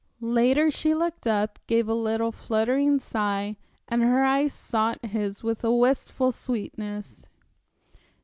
Later she looked up, gave a little, fluttering sigh, and her eyes sought his with a wistful sweetness.